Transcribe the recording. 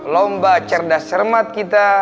lomba cerdas cermat kita